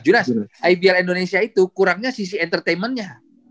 junas ibl indonesia itu kurangnya sisi entertainmentnya